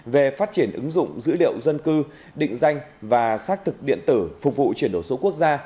về phát triển ứng dụng dữ liệu dân cư định danh và xác thực điện tử phục vụ chuyển đổi số quốc gia